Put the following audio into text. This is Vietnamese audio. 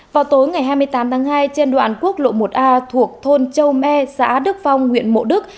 vào tối ngày hai mươi tám tháng hai trên đoạn quốc lộ một a thuộc thôn châu me xã đức phong huyện mộ đức